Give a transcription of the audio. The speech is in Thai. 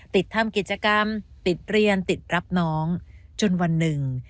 ติดทำกิจกรรมติดเรียนติดรับน้องจนวันหนึ่ง